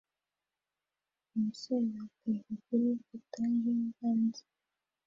Umusaza ateka kuri POTAGE yo hanze